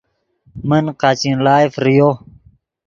من قاچین ڑائے فریو